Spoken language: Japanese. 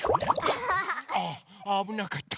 ああぶなかった。